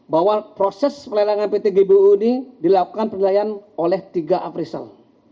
bahwa proses lelang pt gbu ini dilakukan penilaian oleh tiga aprisel